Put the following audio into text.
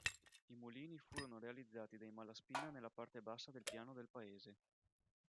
I mulini furono realizzati dai Malaspina nella parte bassa del piano del paese.